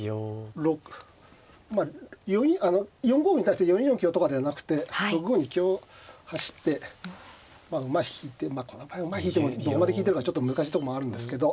まあ４五歩に対して４四香とかではなくて６五に香走って馬引いてまあこの場合馬引いてもどこまで引いてるかちょっと難しいとこもあるんですけど。